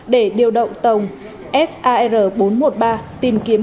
để điều động tàu sar bốn trăm một mươi ba tìm kiếm